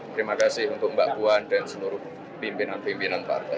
terima kasih untuk mbak puan dan seluruh pimpinan pimpinan partai